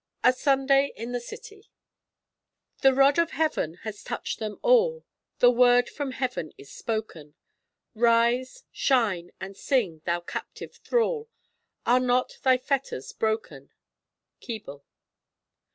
A SUNDAY IN THE CITY "The rod of Heaven has touched them all, The word from Heaven is spoken: Rise, shine and sing, thou captive thrall, Are not thy fetters broken?" Keble.